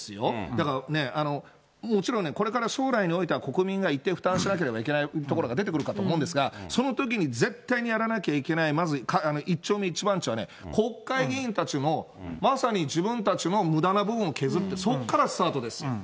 だからね、もちろんね、これから将来においては国民が一定負担しなければいけないところが出てくるかと思うんですが、そのときに絶対にやらなきゃいけない、まず一丁目一番地は、国会議員たちもまさに自分たちのむだな部分を削って、そこからスタートです。